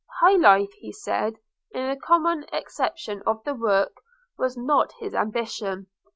High life, he said, in the common acceptation of the work, was not his ambition.